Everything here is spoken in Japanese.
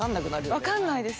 分かんないです。